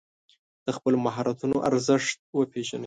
د خپلو مهارتونو ارزښت وپېژنئ.